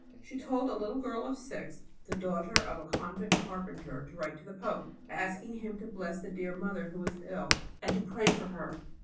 She told a little girl of six, the daughter of the convent carpenter, to write to the pope, asking him to bless the dear Mother who was ill, and to pray for her.